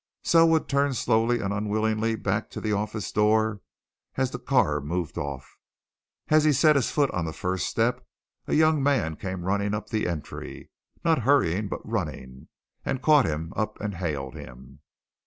Selwood turned slowly and unwillingly back to the office door as the car moved off. And as he set his foot on the first step a young man came running up the entry not hurrying but running and caught him up and hailed him.